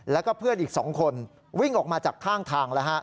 แล้วก็เพื่อนอีก๒คนวิ่งออกมาจากข้างทาง